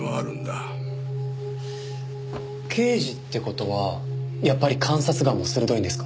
刑事って事はやっぱり観察眼も鋭いんですか？